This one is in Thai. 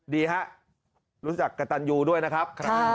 ดีครับรู้จักกะตันยูด้วยนะครับ